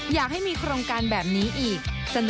อยากให้มีโครงการแบบนี้อีก